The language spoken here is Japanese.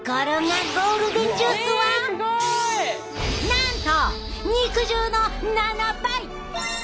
なんと肉汁の７倍！